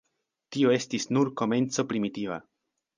Tio estis nur komenco primitiva.